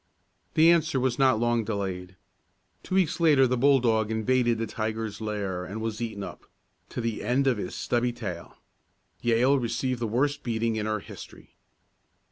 The answer was not long delayed. Two weeks later the bulldog invaded the tiger's lair and was eaten up to the end of his stubby tail. Yale received the worst beating in her history.